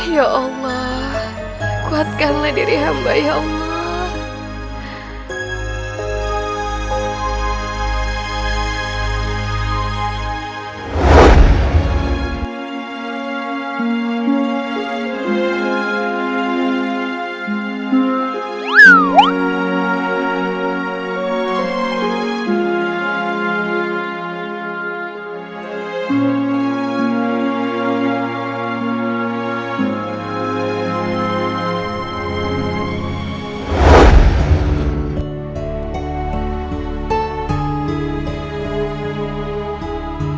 ya allah kuatkanlah diri hamba ya allah